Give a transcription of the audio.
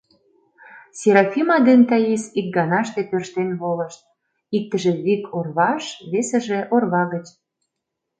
Серафима ден Таис икганаште тӧрштен волышт, иктыже — вик орваш, весыже — орва гыч.